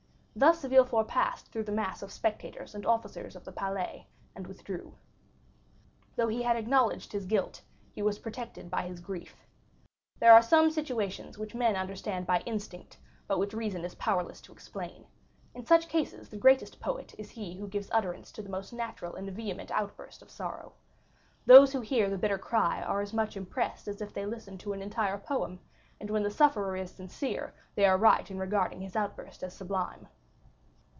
Thus Villefort passed through the mass of spectators and officers of the Palais, and withdrew. Though he had acknowledged his guilt, he was protected by his grief. There are some situations which men understand by instinct, but which reason is powerless to explain; in such cases the greatest poet is he who gives utterance to the most natural and vehement outburst of sorrow. Those who hear the bitter cry are as much impressed as if they listened to an entire poem, and when the sufferer is sincere they are right in regarding his outburst as sublime.